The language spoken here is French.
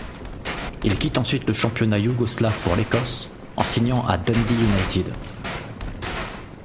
Il quitte ensuite le championnat yougoslave pour l'Écosse, en signant à Dundee United.